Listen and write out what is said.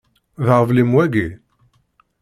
D aɣbel-im wagi?